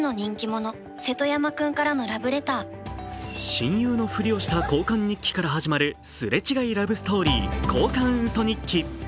親友のふりをした交換日記から始まるすれ違いラブストーリー、「交換ウソ日記」。